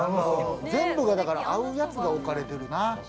全部合うやつが置かれてる。